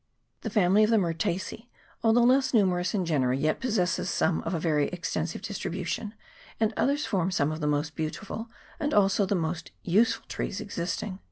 The family of the Myrtacea, although less numerous in genera, yet possesses some of a very extensive distri bution, and others form some of the most beautiful and also most useful trees existing.